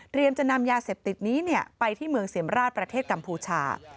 จะนำยาเสพติดนี้ไปที่เมืองเสมราชประเทศกัมพูชา